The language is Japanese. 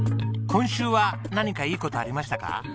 今週は何かいい事ありましたか？